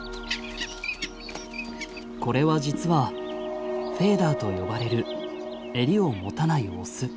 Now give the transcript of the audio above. これは実はフェーダーと呼ばれるエリを持たないオス。